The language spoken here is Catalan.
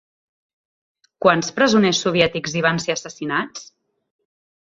Quants presoners soviètics hi van ser assassinats?